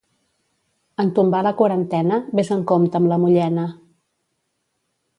En tombar la quarantena, ves amb compte amb la mullena.